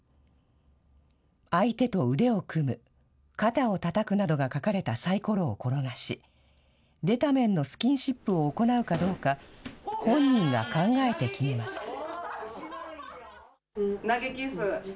相手と腕を組む、肩をたたくなどが書かれたさいころを転がし、出た面のスキンシップを行うかどうか、本人が考えて決めます。